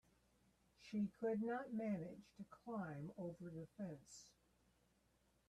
She could not manage to climb over the fence.